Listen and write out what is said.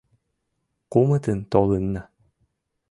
Кумытын толынна.